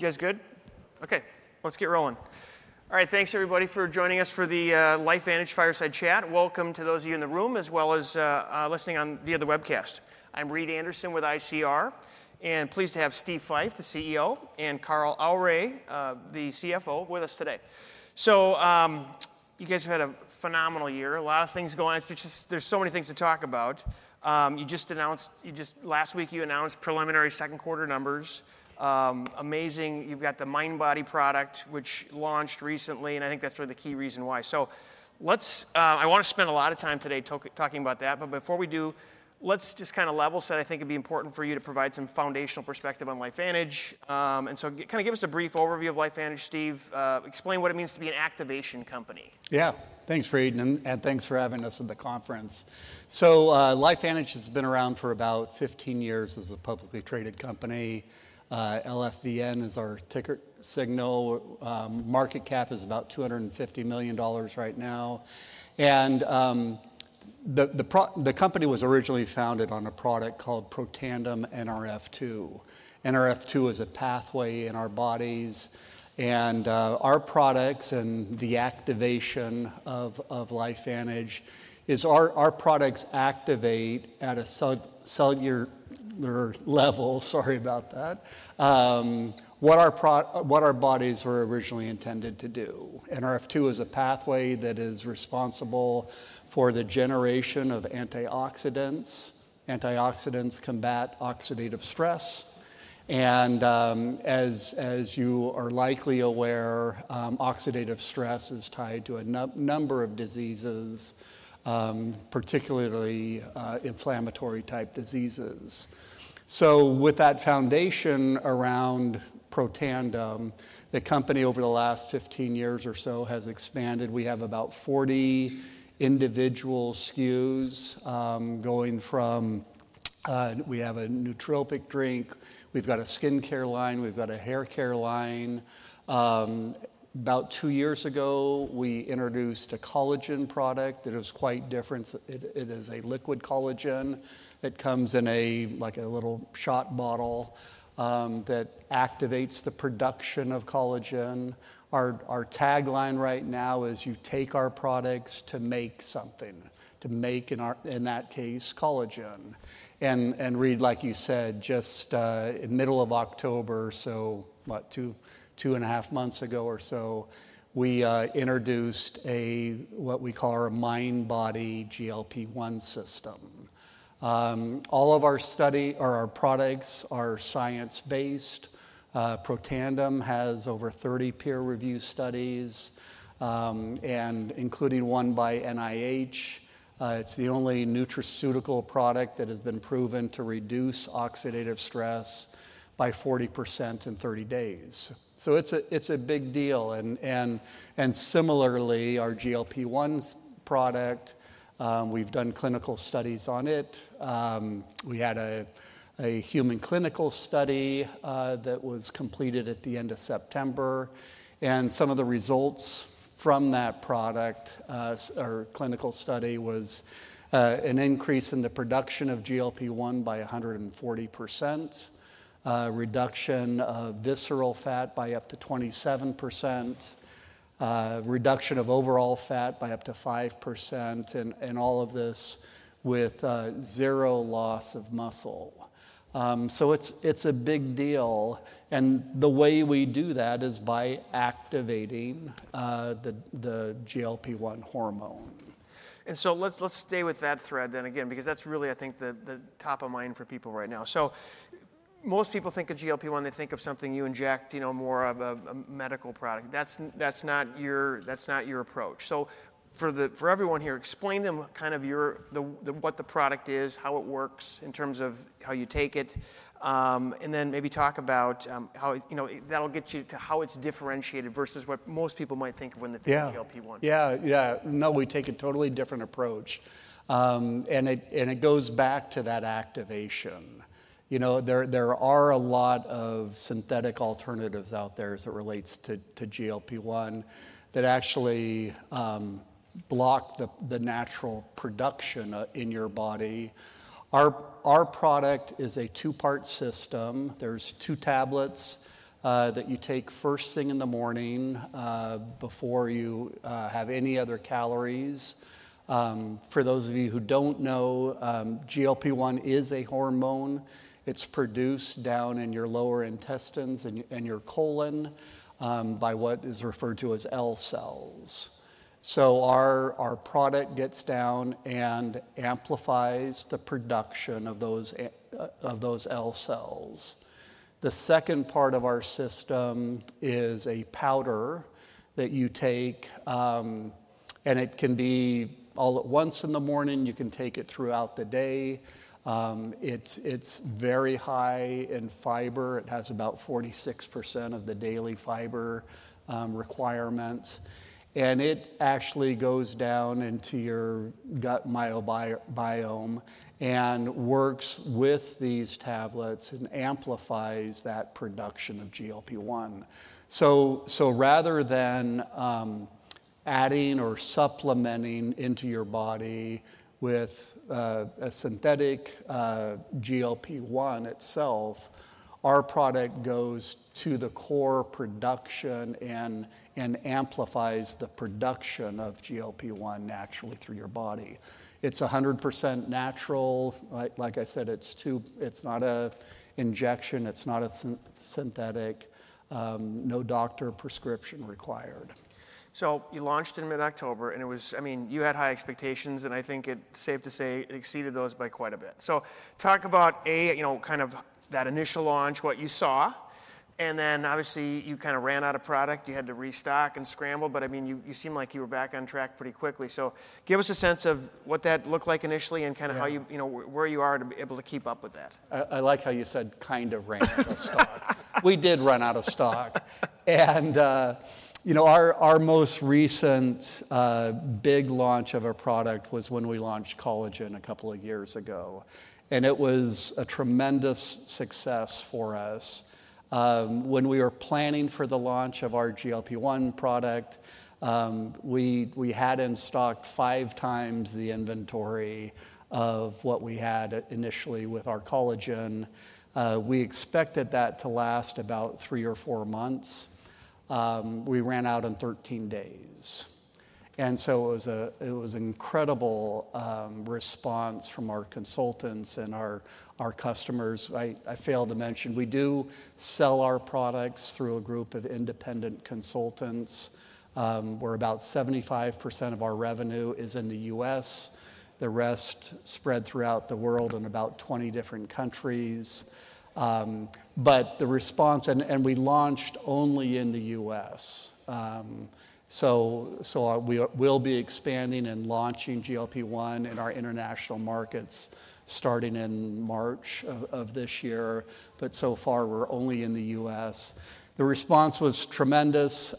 Just good. Okay, let's get rolling. All right, thanks everybody for joining us for the LifeVantage Fireside Chat. Welcome to those of you in the room as well as listening via the webcast. I'm Reed Anderson with ICR, and pleased to have Steve Fife, the CEO, and Carl Aure, the CFO, with us today. So you guys have had a phenomenal year. A lot of things going on. There's so many things to talk about. You just announced last week preliminary second quarter numbers. Amazing. You've got the MindBody product, which launched recently, and I think that's really the key reason why. So I want to spend a lot of time today talking about that, but before we do, let's just kind of level set. I think it'd be important for you to provide some foundational perspective on LifeVantage. Kind of give us a brief overview of LifeVantage, Steve. Explain what it means to be an activation company. Yeah, thanks, Reed, and thanks for having us at the conference. So LifeVantage has been around for about 15 years as a publicly traded company. LFVN is our ticker symbol. Market cap is about $250 million right now, and the company was originally founded on a product called Protandim NRF2. NRF2 is a pathway in our bodies, and our products and the activation of LifeVantage is our products activate at a cellular level. Sorry about that. What our bodies were originally intended to do. NRF2 is a pathway that is responsible for the generation of antioxidants. Antioxidants combat oxidative stress, and as you are likely aware, oxidative stress is tied to a number of diseases, particularly inflammatory type diseases. So with that foundation around Protandim, the company over the last 15 years or so has expanded. We have about 40 individual SKUs going from we have a nootropic drink. We've got a skincare line. We've got a haircare line. About two years ago, we introduced a collagen product that is quite different. It is a liquid collagen that comes in a little shot bottle that activates the production of collagen. Our tagline right now is, you take our products to make something, to make in that case collagen. And Reed, like you said, just in the middle of October, so what, two and a half months ago or so, we introduced what we call our MindBody GLP-1 System. All of our products are science-based. Protandim has over 30 peer-reviewed studies, including one by NIH. It's the only nutraceutical product that has been proven to reduce oxidative stress by 40% in 30 days. So it's a big deal. And similarly, our GLP-1 product, we've done clinical studies on it. We had a human clinical study that was completed at the end of September. Some of the results from that product, our clinical study, was an increase in the production of GLP-1 by 140%, reduction of visceral fat by up to 27%, reduction of overall fat by up to 5%, and all of this with zero loss of muscle. It's a big deal. The way we do that is by activating the GLP-1 hormone. And so let's stay with that thread then again, because that's really, I think, the top of mind for people right now. So most people think of GLP-1, they think of something you inject, more of a medical product. That's not your approach. So for everyone here, explain to them kind of what the product is, how it works in terms of how you take it, and then maybe talk about how that'll get you to how it's differentiated versus what most people might think of when they think of GLP-1. Yeah, yeah. No, we take a totally different approach. And it goes back to that activation. There are a lot of synthetic alternatives out there as it relates to GLP-1 that actually block the natural production in your body. Our product is a two-part system. There's two tablets that you take first thing in the morning before you have any other calories. For those of you who don't know, GLP-1 is a hormone. It's produced down in your lower intestines and your colon by what is referred to as L cells. So our product gets down and amplifies the production of those L cells. The second part of our system is a powder that you take, and it can be all at once in the morning. You can take it throughout the day. It's very high in fiber. It has about 46% of the daily fiber requirements. It actually goes down into your gut microbiome and works with these tablets and amplifies that production of GLP-1. Rather than adding or supplementing into your body with a synthetic GLP-1 itself, our product goes to the core production and amplifies the production of GLP-1 naturally through your body. It's 100% natural. Like I said, it's not an injection. It's not a synthetic. No doctor prescription required. So you launched in mid-October, and it was, I mean, you had high expectations, and I think it's safe to say it exceeded those by quite a bit. So talk about kind of that initial launch, what you saw. And then obviously you kind of ran out of product. You had to restock and scramble. But I mean, you seem like you were back on track pretty quickly. So give us a sense of what that looked like initially and kind of where you are to be able to keep up with that. I like how you said kind of ran out of stock. We did run out of stock. And our most recent big launch of a product was when we launched collagen a couple of years ago. And it was a tremendous success for us. When we were planning for the launch of our GLP-1 product, we had in stock five times the inventory of what we had initially with our collagen. We expected that to last about three or four months. We ran out in 13 days. And so it was an incredible response from our consultants and our customers. I failed to mention, we do sell our products through a group of independent consultants. We're about 75% of our revenue is in the U.S. The rest spread throughout the world in about 20 different countries. But the response, and we launched only in the U.S. So we will be expanding and launching GLP-1 in our international markets starting in March of this year. But so far, we're only in the U.S. The response was tremendous.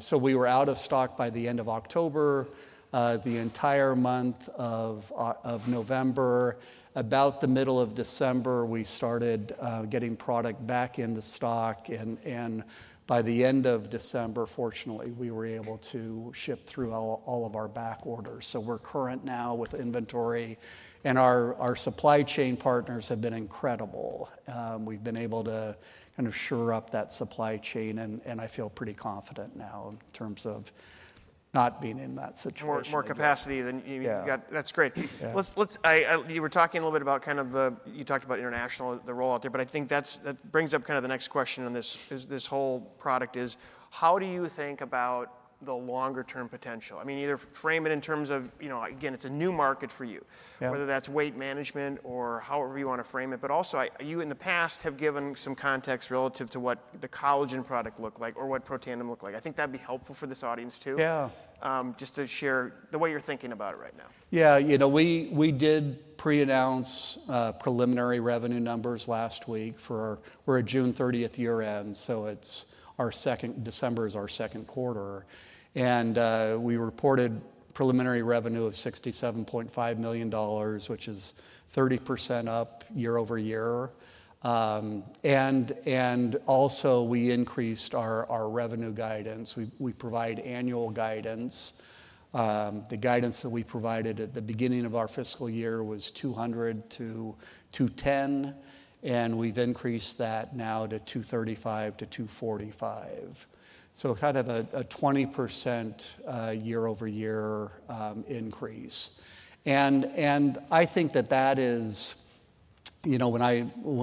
So we were out of stock by the end of October, the entire month of November. About the middle of December, we started getting product back into stock. And by the end of December, fortunately, we were able to ship through all of our back orders. So we're current now with inventory. And our supply chain partners have been incredible. We've been able to kind of shore up that supply chain. And I feel pretty confident now in terms of not being in that situation. More capacity than you need. That's great. You were talking a little bit about kind of the, you talked about international, the rollout out there. But I think that brings up kind of the next question on this whole product is, how do you think about the longer-term potential? I mean, either frame it in terms of, again, it's a new market for you, whether that's weight management or however you want to frame it. But also, you in the past have given some context relative to what the collagen product looked like or what Protandim looked like. I think that'd be helpful for this audience too, just to share the way you're thinking about it right now. Yeah. You know, we did pre-announce preliminary revenue numbers last week. We're at June 30th year-end. So our second, December is our second quarter. And we reported preliminary revenue of $67.5 million, which is 30% up year-over-year. And also, we increased our revenue guidance. We provide annual guidance. The guidance that we provided at the beginning of our fiscal year was 200-210. And we've increased that now to 235-245. So kind of a 20% year-over-year increase. And I think that that is, when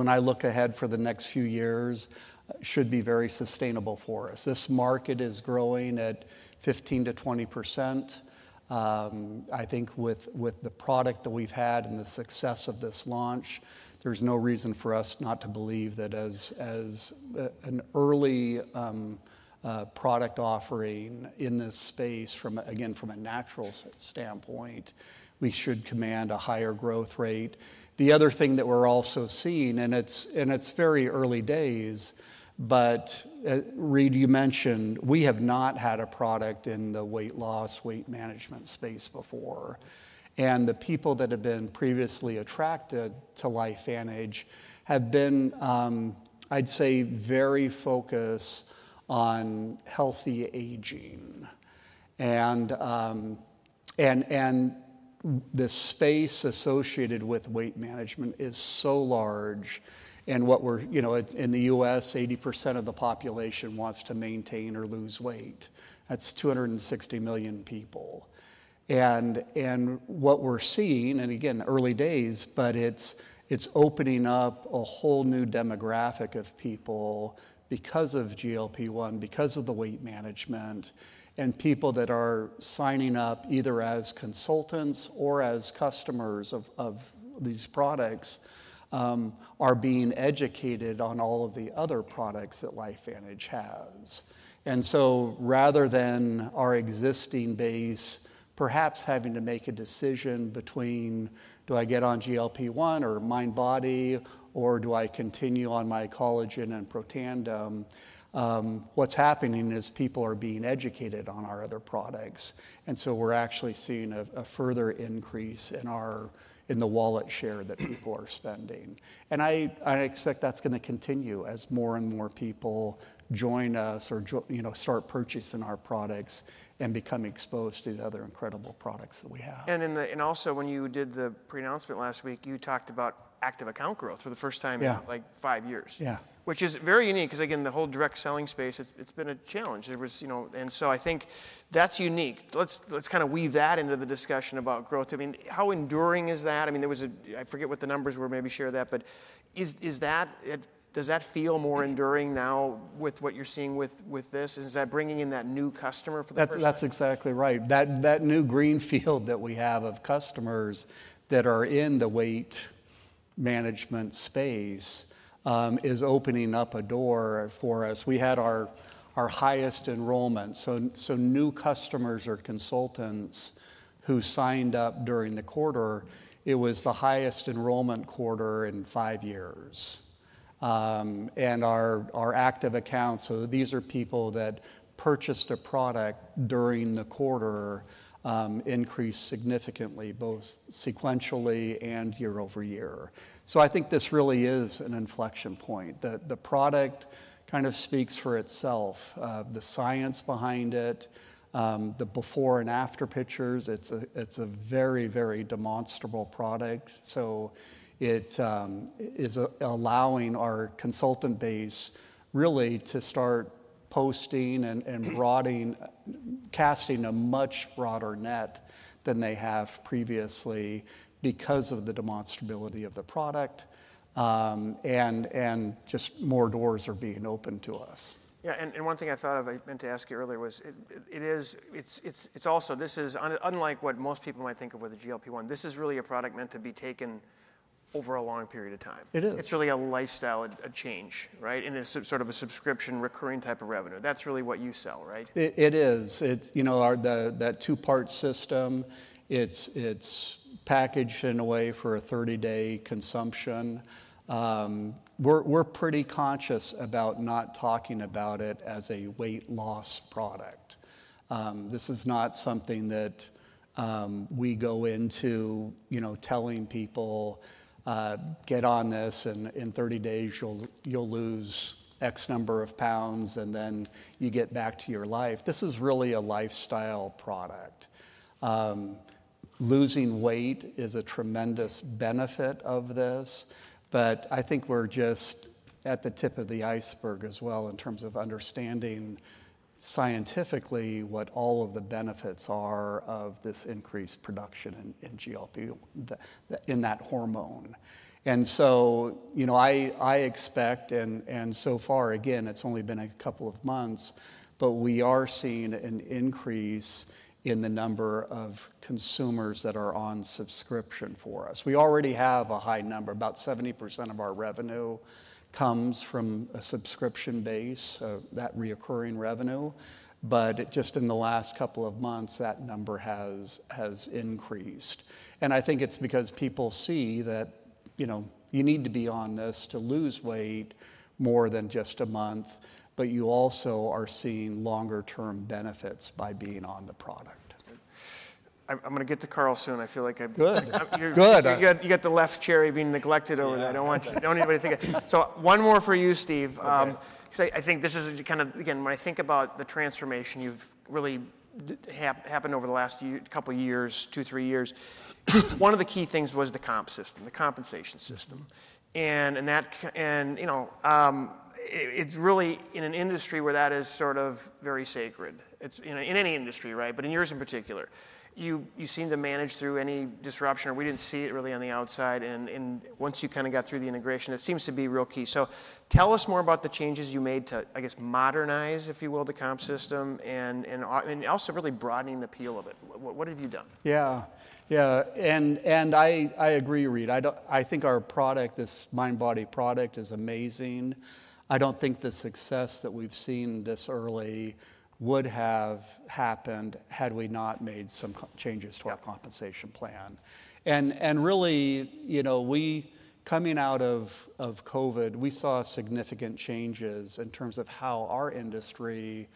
I look ahead for the next few years, should be very sustainable for us. This market is growing at 15%-20%. I think with the product that we've had and the success of this launch, there's no reason for us not to believe that as an early product offering in this space, again, from a natural standpoint, we should command a higher growth rate. The other thing that we're also seeing, and it's very early days, but Reed, you mentioned we have not had a product in the weight loss, weight management space before, and the people that have been previously attracted to LifeVantage have been, I'd say, very focused on healthy aging, and the space associated with weight management is so large, and in the U.S., 80% of the population wants to maintain or lose weight. That's 260 million people, and what we're seeing, and again, early days, but it's opening up a whole new demographic of people because of GLP-1, because of the weight management. People that are signing up either as consultants or as customers of these products are being educated on all of the other products that LifeVantage has. So rather than our existing base perhaps having to make a decision between, do I get on GLP-1 or MindBody, or do I continue on my collagen and Protandim, what's happening is people are being educated on our other products. So we're actually seeing a further increase in the wallet share that people are spending. I expect that's going to continue as more and more people join us or start purchasing our products and become exposed to the other incredible products that we have. And also, when you did the pre-announcement last week, you talked about active account growth for the first time in like five years, which is very unique because, again, the whole direct selling space, it's been a challenge. And so I think that's unique. Let's kind of weave that into the discussion about growth. I mean, how enduring is that? I mean, I forget what the numbers were, maybe share that. But does that feel more enduring now with what you're seeing with this? Is that bringing in that new customer for the first time? That's exactly right. That new greenfield that we have of customers that are in the weight management space is opening up a door for us. We had our highest enrollment. So new customers or consultants who signed up during the quarter, it was the highest enrollment quarter in five years. And our active accounts, so these are people that purchased a product during the quarter, increased significantly both sequentially and year-over-year. So I think this really is an inflection point. The product kind of speaks for itself. The science behind it, the before and after pictures, it's a very, very demonstrable product. So it is allowing our consultant base really to start posting and casting a much broader net than they have previously because of the demonstrability of the product. And just more doors are being opened to us. Yeah, and one thing I thought of, I meant to ask you earlier, was, it is. It's also this, unlike what most people might think of with the GLP-1. This is really a product meant to be taken over a long period of time. It is. It's really a lifestyle change, right? And it's sort of a subscription recurring type of revenue. That's really what you sell, right? It is. That two-part system, it's packaged in a way for a 30-day consumption. We're pretty conscious about not talking about it as a weight loss product. This is not something that we go into telling people, get on this and in 30 days you'll lose X number of pounds and then you get back to your life. This is really a lifestyle product. Losing weight is a tremendous benefit of this. But I think we're just at the tip of the iceberg as well in terms of understanding scientifically what all of the benefits are of this increased production in GLP, in that hormone. And so I expect, and so far, again, it's only been a couple of months, but we are seeing an increase in the number of consumers that are on subscription for us. We already have a high number. About 70% of our revenue comes from a subscription base, that recurring revenue. But just in the last couple of months, that number has increased. And I think it's because people see that you need to be on this to lose weight more than just a month, but you also are seeing longer-term benefits by being on the product. I'm going to get to Carl soon. I feel like I've been. Good. You got the left chair being neglected over there. I don't want anybody to think of it. So one more for you, Steve. Because I think this is kind of, again, when I think about the transformation you've really happened over the last couple of years, two, three years, one of the key things was the comp system, the compensation system, and it's really in an industry where that is sort of very sacred. In any industry, right, but in yours in particular, you seem to manage through any disruption. We didn't see it really on the outside, and once you kind of got through the integration, it seems to be real key, so tell us more about the changes you made to, I guess, modernize, if you will, the comp system and also really broadening the appeal of it. What have you done? Yeah. Yeah. And I agree, Reed. I think our product, this MindBody product, is amazing. I don't think the success that we've seen this early would have happened had we not made some changes to our compensation plan. And really, coming out of COVID, we saw significant changes in terms of how our industry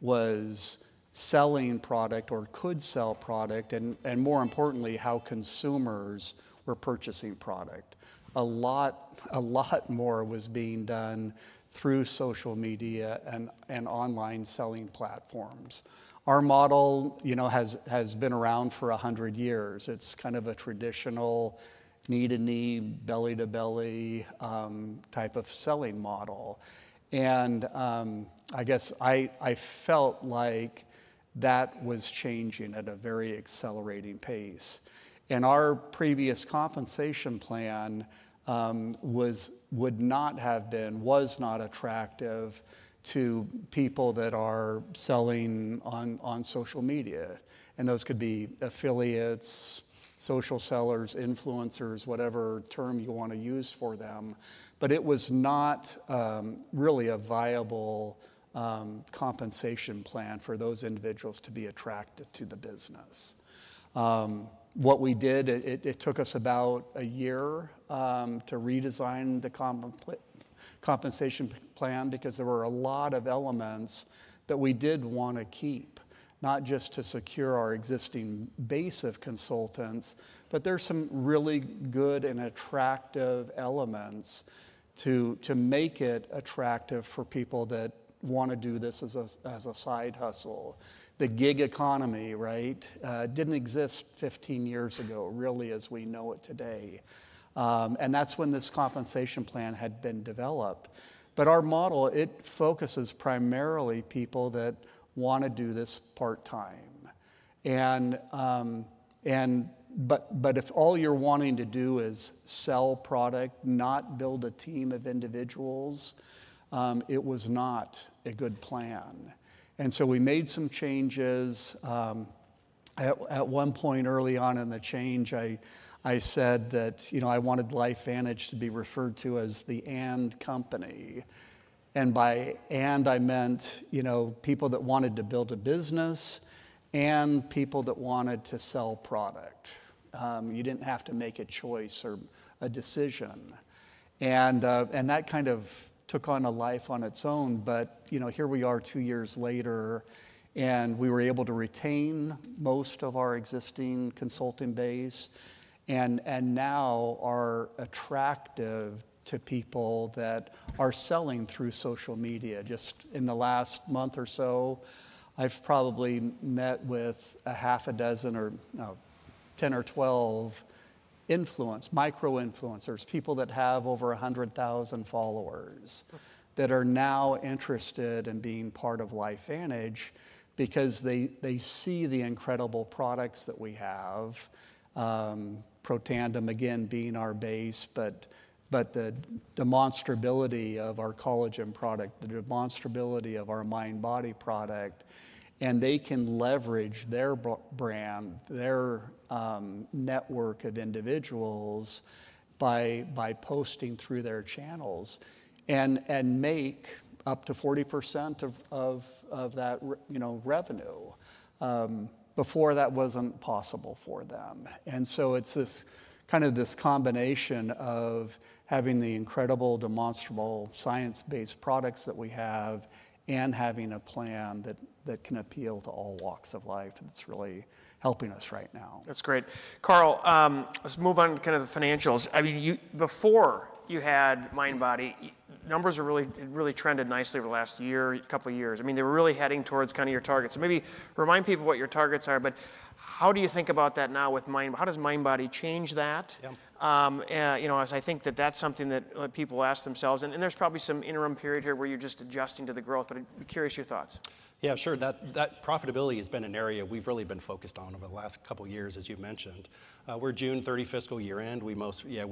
was selling product or could sell product. And more importantly, how consumers were purchasing product. A lot more was being done through social media and online selling platforms. Our model has been around for 100 years. It's kind of a traditional knee-to-knee, belly-to-belly type of selling model. And I guess I felt like that was changing at a very accelerating pace. And our previous compensation plan would not have been, was not attractive to people that are selling on social media. And those could be affiliates, social sellers, influencers, whatever term you want to use for them. But it was not really a viable compensation plan for those individuals to be attracted to the business. What we did, it took us about a year to redesign the compensation plan because there were a lot of elements that we did want to keep, not just to secure our existing base of consultants, but there are some really good and attractive elements to make it attractive for people that want to do this as a side hustle. The gig economy, right, didn't exist 15 years ago, really, as we know it today. And that's when this compensation plan had been developed. But our model, it focuses primarily on people that want to do this part-time. But if all you're wanting to do is sell product, not build a team of individuals, it was not a good plan. And so we made some changes. At one point early on in the change, I said that I wanted LifeVantage to be referred to as the 'and' company. And by 'and,' I meant people that wanted to build a business and people that wanted to sell product. You didn't have to make a choice or a decision. And that kind of took on a life on its own. But here we are two years later, and we were able to retain most of our existing consulting base. And now are attractive to people that are selling through social media. Just in the last month or so, I've probably met with a half a dozen or 10 or 12 micro-influencers, people that have over 100,000 followers that are now interested in being part of LifeVantage because they see the incredible products that we have, Protandim, again, being our base, but the demonstrability of our collagen product, the demonstrability of our MindBody product. They can leverage their brand, their network of individuals by posting through their channels and make up to 40% of that revenue. Before, that wasn't possible for them. So it's this kind of this combination of having the incredible demonstrable science-based products that we have and having a plan that can appeal to all walks of life. It's really helping us right now. That's great. Carl, let's move on to kind of the financials. I mean, before you had MindBody, numbers really trended nicely over the last year, couple of years. I mean, they were really heading towards kind of your targets. So maybe remind people what your targets are. But how do you think about that now with MindBody? How does MindBody change that? Because I think that that's something that people ask themselves. And there's probably some interim period here where you're just adjusting to the growth. But I'd be curious your thoughts. Yeah, sure. Profitability has been an area we've really been focused on over the last couple of years, as you mentioned. We're June 30 fiscal year-end. Yeah,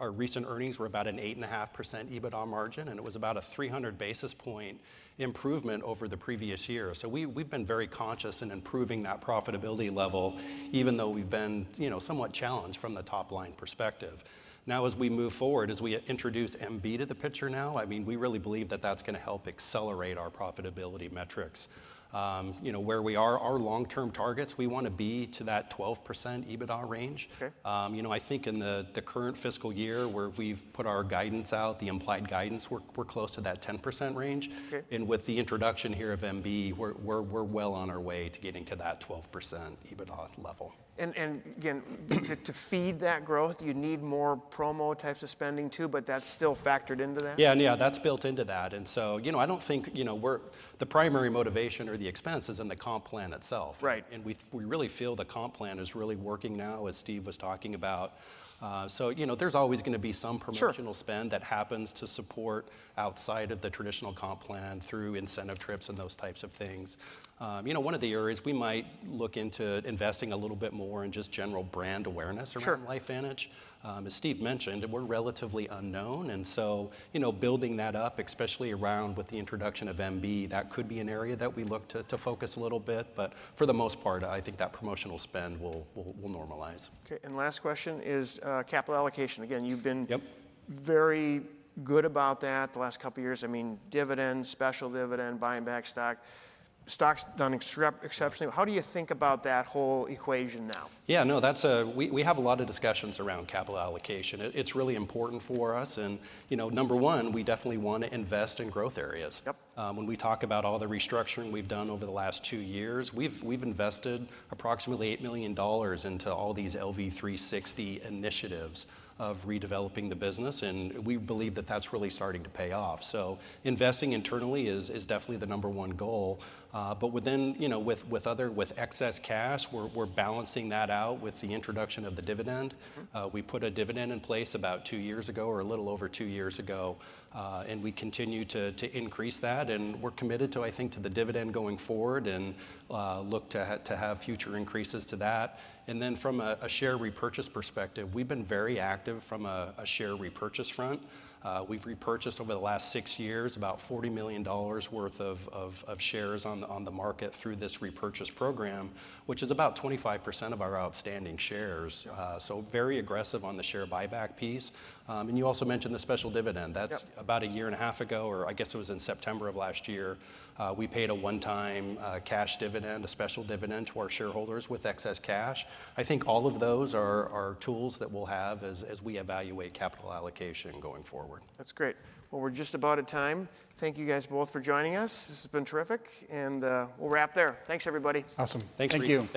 our recent earnings were about an 8.5% EBITDA margin, and it was about a 300 basis points improvement over the previous year. So we've been very conscious in improving that profitability level, even though we've been somewhat challenged from the top-line perspective. Now, as we move forward, as we introduce MB to the picture now, I mean, we really believe that that's going to help accelerate our profitability metrics. Where we are, our long-term targets, we want to be to that 12% EBITDA range. I think in the current fiscal year where we've put our guidance out, the implied guidance, we're close to that 10% range. With the introduction here of MB, we're well on our way to getting to that 12% EBITDA level. Again, to feed that growth, you need more promo types of spending too, but that's still factored into that? Yeah, yeah, that's built into that. And so I don't think the primary motivation or the expense is in the comp plan itself. And we really feel the comp plan is really working now, as Steve was talking about. So there's always going to be some promotional spend that happens to support outside of the traditional comp plan through incentive trips and those types of things. One of the areas we might look into investing a little bit more in just general brand awareness around LifeVantage. As Steve mentioned, we're relatively unknown. And so building that up, especially around with the introduction of MB, that could be an area that we look to focus a little bit. But for the most part, I think that promotional spend will normalize. Okay. And last question is capital allocation. Again, you've been very good about that the last couple of years. I mean, dividends, special dividend, buying back stock, stock's done exceptionally. How do you think about that whole equation now? Yeah, no, we have a lot of discussions around capital allocation. It's really important for us, and number one, we definitely want to invest in growth areas. When we talk about all the restructuring we've done over the last two years, we've invested approximately $8 million into all these LV360 initiatives of redeveloping the business. We believe that that's really starting to pay off, so investing internally is definitely the number one goal. But with excess cash, we're balancing that out with the introduction of the dividend. We put a dividend in place about two years ago or a little over two years ago. We continue to increase that, and we're committed to, I think, to the dividend going forward and look to have future increases to that. Then from a share repurchase perspective, we've been very active from a share repurchase front. We've repurchased over the last six years about $40 million worth of shares on the market through this repurchase program, which is about 25% of our outstanding shares. So very aggressive on the share buyback piece. And you also mentioned the special dividend. That's about a year and a half ago, or I guess it was in September of last year. We paid a one-time cash dividend, a special dividend to our shareholders with excess cash. I think all of those are tools that we'll have as we evaluate capital allocation going forward. That's great. Well, we're just about at time. Thank you guys both for joining us. This has been terrific. And we'll wrap there. Thanks, everybody. Awesome. Thanks for being here.